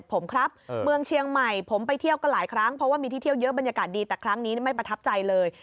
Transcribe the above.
ผมครับเมืองเชียงใหม่ผมไปเที่ยวก็หลายครั้งเพราะว่ามีที่เที่ยวเยอะบรรยากาศดีแต่ครั้งนี้ไม่ประทับใจเลย